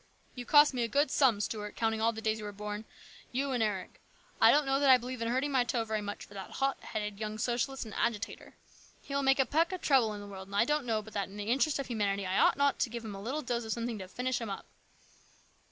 You've cost me a good sum, Stuart, counting all the days since you were born you and Eric. I don't know that I believe in hurting my toe very much for that hot headed young socialist and agitator. He will make a peck of trouble in the world, and I don't know but that in the interest of humanity I ought not to give him a little dose of something to finish him up."